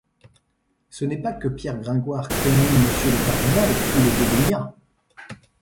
Ce n’est pas que Pierre Gringoire craignît monsieur le cardinal ou le dédaignât.